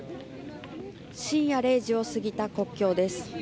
深夜０時を過ぎた国境です。